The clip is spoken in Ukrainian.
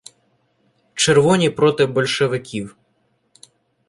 Червоні проти большевиків